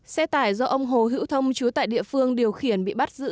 xe tải do ông hồ hữu thông chú tại địa phương điều khiển bị bắt giữ